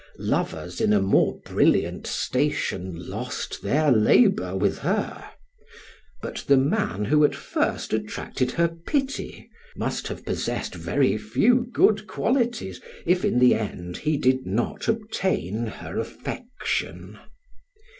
Lovers in a more brilliant station lost their labor with her, but the man who at first attracted her pity, must have possessed very few good qualities if in the end he did not obtain her affection.